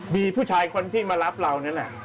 มีผู้ชายคนที่มารับเรานั่นแหละ